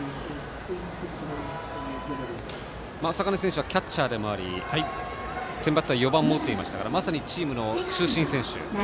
坂根選手はキャッチャーでもありセンバツは４番も打っていましたからまさにチームの中心選手。